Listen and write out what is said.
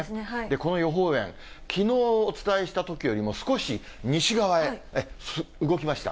この予報円、きのうお伝えしたときよりも、少し西側へ動きました。